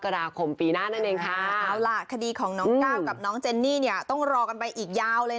ถ้าเกิดลบทิ้งก็จบไปเลย